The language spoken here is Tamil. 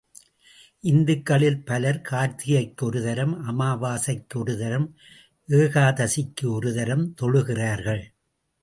இந்துக்களில் பலர் கார்த்திகைக்கு ஒரு தரம், அமாவாசைக்கு ஒரு தரம், ஏகாதசிக்கு ஒரு தரம் தொழுகிறார்கள்.